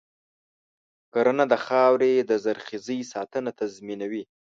کرنه د خاورې د زرخیزۍ ساتنه تضمینوي.